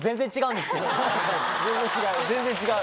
全然違う。